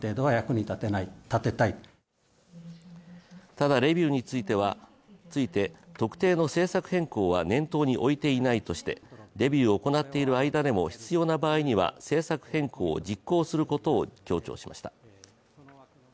ただレビューについて特定の政策変更は念頭に置いていないとして、レビューを行っている間でも必要な場合には政策変更を実行することを強調しました。